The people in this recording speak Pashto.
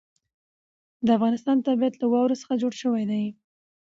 د افغانستان طبیعت له واورو څخه جوړ شوی دی.